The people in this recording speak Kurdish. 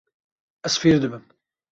Ez fêr dibim.